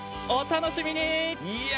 お楽しみに！